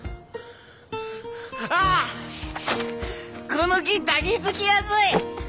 この木抱きつきやすい！